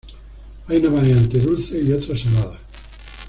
Hay una variante dulce y otra salada.